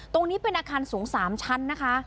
ตรงนี้เป็นอาคารสูง๓ชั้นนะคะ